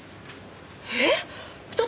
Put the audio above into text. えっ！？